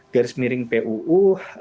garis miring puu